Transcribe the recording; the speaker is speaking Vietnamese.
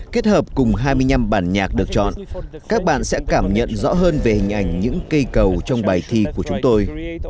kết hợp cùng hai mươi năm bản nhạc được chọn các bạn sẽ cảm nhận rõ hơn về hình ảnh những cây cầu trong bài thi của chúng tôi